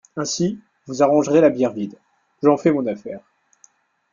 Ainsi vous arrangerez la bière vide ? J'en fais mon affaire.